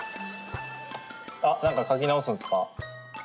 あっなんか描き直すんすか？